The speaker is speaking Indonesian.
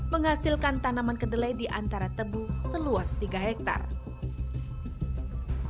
menghasilkan tanaman kedelai di antara tebu seluas tiga hektare